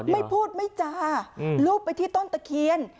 ไม่พูดไม่จารูปไปที่ต้นตะเคียน